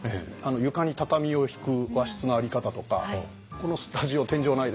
床に畳を敷く和室の在り方とかこのスタジオ天井ないですけど天井板を家につける。